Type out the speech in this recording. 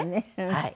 はい。